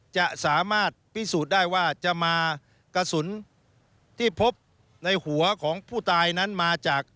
จะสามารถพิสูจน์ได้ว่าจะมากระสุนที่พบในหัวของผู้ตายนั้นมาจาก